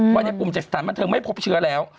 วันนี้กลุ่มจักษฐานบันเทิงไม่พบเชื้อแล้ว